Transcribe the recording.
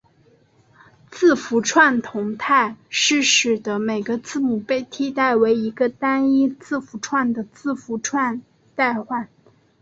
字符串同态是使得每个字母被替代为一个单一字符串的字符串代换。